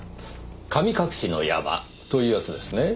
神隠しの山というやつですね？